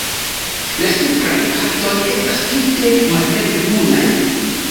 La supraj partoj estas tute malhelbrunaj.